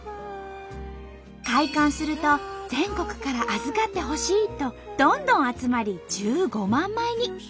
開館すると全国から預かってほしいとどんどん集まり１５万枚に。